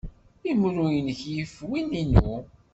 Imru-nnek yif win-inu.